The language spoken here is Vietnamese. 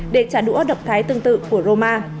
để trả đũa động thái tương tự của roma